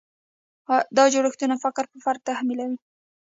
دا جوړښتونه فقر پر فرد تحمیلوي.